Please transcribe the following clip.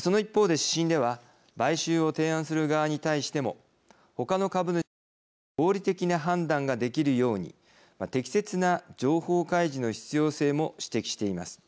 その一方で指針では買収を提案する側に対してもほかの株主が合理的な判断ができるように適切な情報開示の必要性も指摘しています。